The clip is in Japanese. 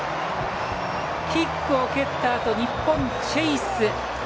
キックを蹴ったあと日本、チェイス。